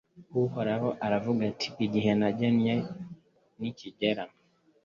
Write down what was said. Uhoraho aravuga ati Igihe nagennye nikigera